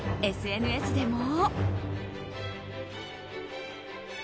ＳＮＳでも。